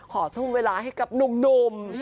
ทุ่มเวลาให้กับหนุ่ม